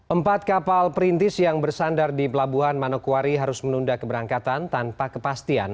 empat kapal perintis yang bersandar di pelabuhan manokwari harus menunda keberangkatan tanpa kepastian